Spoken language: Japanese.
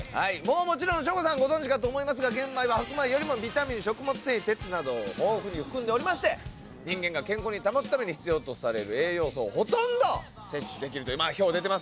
もちろん、省吾さんはご存じかと思いますが玄米は白米よりもビタミンや鉄などを豊富に含んでおりまして人間が健康に保つために必要とされる栄養素をほとんど摂取できる。